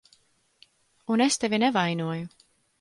Un es tevi nevainoju.